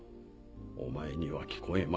お前には聞こえまい。